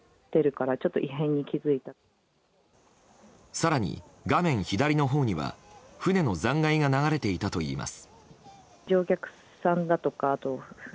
更に、画面左のほうには船の残骸が流れていたといいます。